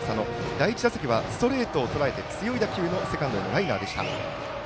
第１打席はストレートをとらえて強い打球のセカンドライナーでした。